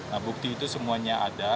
nah bukti itu semuanya ada